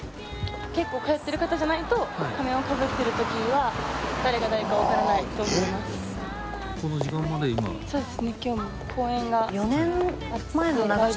結構通ってる方じゃないと仮面を被ってるときは誰が誰かわからないと思います。